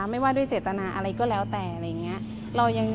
ไม่ว่าด้วยเจตนาอะไรก็แล้วแต่อะไรอย่างนี้